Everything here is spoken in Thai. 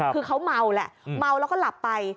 คือเขาเมาแหละเมาแล้วก็หลับไป